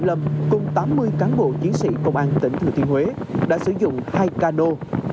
lâm cùng tám mươi cán bộ chiến sĩ công an tỉnh thừa thiên huế đã sử dụng hai cano